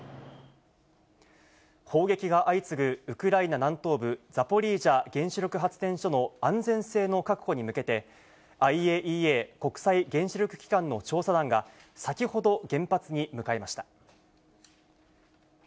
砲撃が相次ぐウクライナ南東部、ザポリージャ原子力発電所の安全性の確保に向けて、ＩＡＥＡ・国際原子力機関の調査団が、先ほど原発に向かいました。